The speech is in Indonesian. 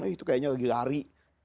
itu kayaknya lagi lari